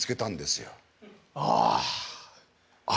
ああ。